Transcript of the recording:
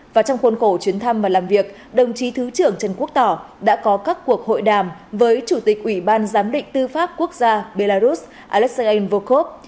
và trong khuôn khổ chuyến thăm và làm việc đồng chí thứ trưởng trần quốc tỏ đã có các cuộc hội đàm với chủ tịch ủy ban giám định tư pháp quốc gia belarus alexeing vokov